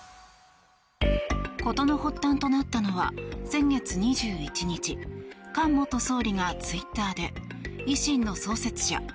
事の発端となったのは先月２１日菅元総理がツイッターで維新の創設者